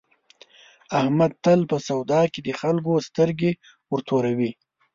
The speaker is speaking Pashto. احمد تل په سودا کې د خلکو سترګې ورتوروي.